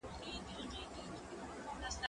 زه اوږده وخت ښوونځی ځم!؟